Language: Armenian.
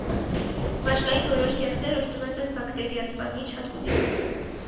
Մաշկային որոշ գեղձեր օժտված են բակտերիասպանիչ հատկությամբ։